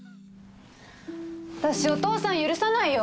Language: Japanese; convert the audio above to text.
私お父さん許さないよ。